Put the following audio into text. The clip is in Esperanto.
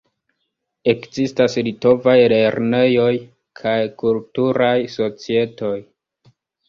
Ekzistas litovaj lernejoj kaj kulturaj societoj.